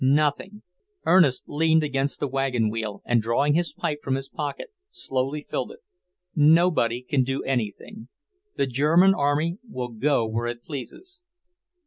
"Nothing." Ernest leaned against the wagon wheel and drawing his pipe from his pocket slowly filled it. "Nobody can do anything. The German army will go where it pleases."